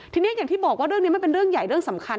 ทีนี้อย่างที่บอกว่าเรื่องนี้มันเป็นเรื่องใหญ่เรื่องสำคัญ